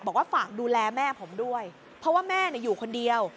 บอกว่าฝากดูแลแม่ผมด้วยเพราะว่าแม่อยู่คนเดียว